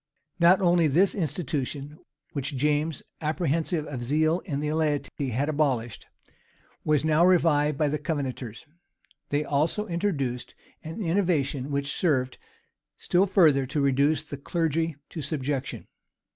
Not only this institution, which James, apprehensive of zeal in the laity, had abolished, was now revived by the Covenanters; they also introduced an innovation, which served still further to reduce the clergy to subjection.